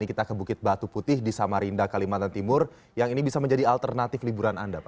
kita ke bukit batu putih di samarinda kalimantan timur yang ini bisa menjadi alternatif liburan anda pak